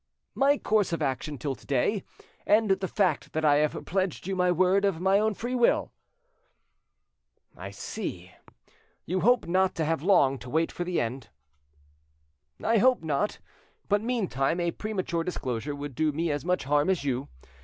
"My course of action till to day, and the fact that I have pledged you my word of my own free will." "I see, you hope not to have long to wait for the end." "I hope not; but meantime a premature disclosure would do me as much harm as you.